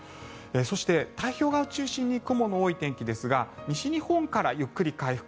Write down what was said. そして、太平洋側を中心に雲の多い天気ですが西日本からゆっくり回復。